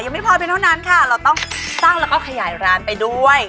ไม่พอเพียงเท่านั้นค่ะเราต้องตั้งแล้วก็ขยายร้านไปด้วย